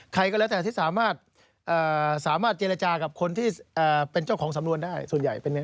ใครก็แล้วแต่ที่สามารถเจรจากับคนที่เป็นเจ้าของสำนวนได้ส่วนใหญ่เป็นไง